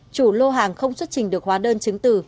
chủ lô hàng không xuất trình được hóa đơn chứng từ